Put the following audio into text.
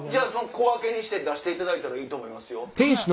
小分けにして出していただいたらいいと思いますよ。